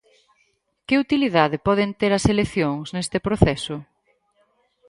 Que utilidade poden ter as eleccións neste proceso?